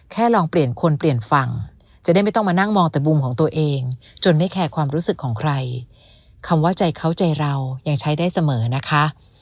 ลองเปลี่ยนคนเปลี่ยนฝั่งจะได้ไม่ต้องมานั่งมองแต่มุมของตัวเองจนไม่แคร์ความรู้สึกของใครคำว่าใจเขาใจเรายังใช้ได้เสมอนะคะ